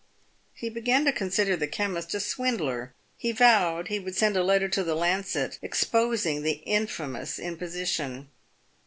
He began to consider the chemist a swindler. He vowed he would send a letter to the Lancet exposing the infamous imposition.